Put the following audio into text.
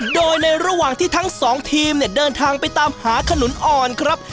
โดยในระหว่างที่ทั้งสองทีมเนี่ยเดินทางไปตามหาขนุนอ่อนครับ